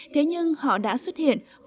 thế nhưng họ đã xuất hiện trong lòng khán giả